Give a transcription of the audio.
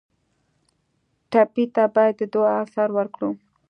ټپي ته باید د دعا اثر ورکړو.